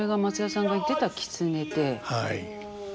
はい。